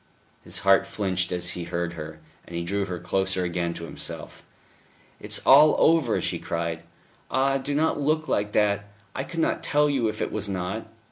His heart flinched as he heard her; and he drew her closer again to himself. "It is all over! it is all over," she cried. "Ah! do not look like that! I could not tell you if it was not."